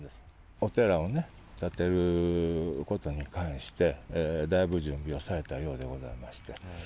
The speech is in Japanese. お寺を建てることに関して、だいぶ準備をされたようでございまして。